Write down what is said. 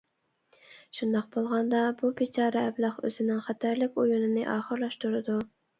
شۇنداق بولغاندا بۇ بىچارە ئەبلەخ ئۆزىنىڭ خەتەرلىك ئويۇنىنى ئاخىرلاشتۇرىدۇ.